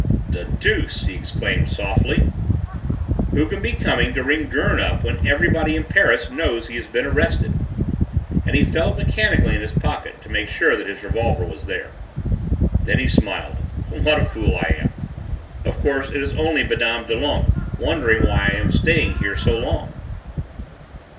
"The deuce!" he exclaimed softly; "who can be coming to ring Gurn up when everybody in Paris knows he has been arrested?" and he felt mechanically in his pocket to make sure that his revolver was there. Then he smiled. "What a fool I am! Of course it is only Mme. Doulenques, wondering why I am staying here so long."